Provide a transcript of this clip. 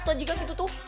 tuh jika gitu tuh